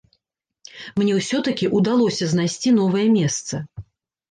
Мне ўсё-такі ўдалося знайсці новае месца.